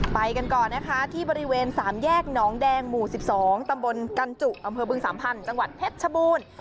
ไปกันก่อนที่บริเวณสามแยกน้องแดงหมู่๑๒ตำบลกันจุบบึง๓๐๐๐จังหวัดเพชรชบูล